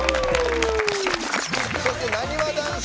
そして、なにわ男子。